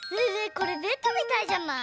これベッドみたいじゃない？